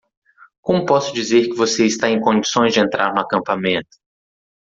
Como posso dizer que você está em condições de entrar no acampamento?